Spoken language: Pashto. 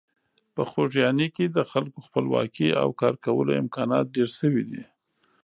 په خوږیاڼي کې د خلکو خپلواکي او کارکولو امکانات ډېر شوي دي.